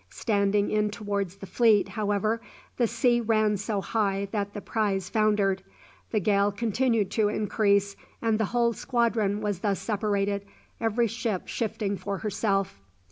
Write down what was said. Standing in towards the fleet, however, the sea ran so high that the prize foundered. The gale continued to increase, and the whole squadron was thus separated, every ship shifting for herself.